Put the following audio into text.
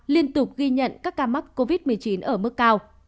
liên tục ghi nhận các ca mắc covid một mươi chín ở mức cao